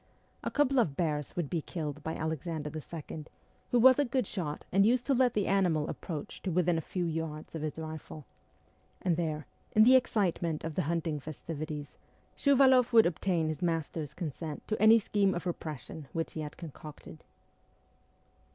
A couple of bears would be killed by Alexander II., who was a good shot and used to let the animal approach to within a few yards of his rifle ; and there, in the excitement of the hunting festivities, Shuvaloff would obtain his master's consent to any scheme of repression which he had concocted.